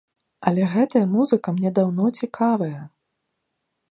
Але гэтая музыка мне даўно цікавая.